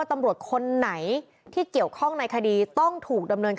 พตรพูดถึงเรื่องนี้ยังไงลองฟังกันหน่อยค่ะ